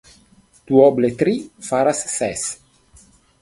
Duoble tri faras ses.